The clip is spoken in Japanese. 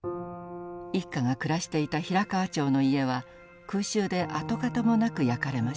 一家が暮らしていた平河町の家は空襲で跡形もなく焼かれました。